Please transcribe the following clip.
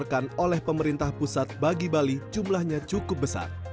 dan dikontorkan oleh pemerintah pusat bagi bali jumlahnya cukup besar